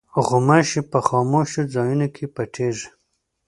غوماشې په خاموشو ځایونو کې پټېږي.